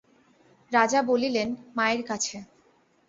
রাজা বলিলেন, মায়ের কাছে।